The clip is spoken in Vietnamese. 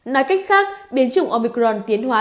nói cách khác biến chủng omicron tiến hóa